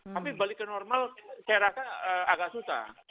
tapi balik ke normal saya rasa agak susah